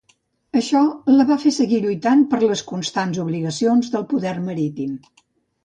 Això la va fer seguir lluitant per les constants obligacions del poder marítim.